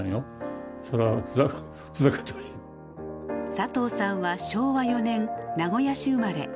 サトウさんは昭和４年名古屋市生まれ。